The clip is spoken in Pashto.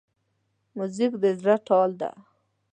موزیک د زړه تال ده.